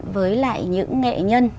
với lại những nghệ nhân